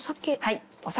お酒。